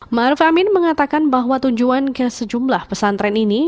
ma'ruf amin mengatakan bahwa tujuan ke sejumlah pesantren ini